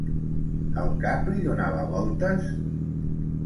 El cap li donava voltes?